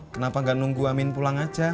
kenapa gak nunggu amin pulang aja